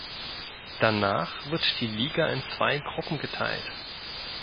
Danach wird die Liga in zwei Gruppen geteilt.